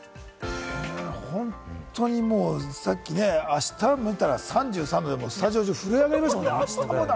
本当にさっきね、あした見たら３３度でスタジオ中、震え上がりましたもんね。